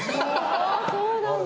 そうなんだ。